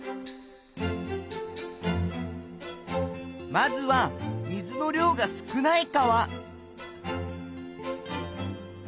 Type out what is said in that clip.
まずは水の量が少ない川。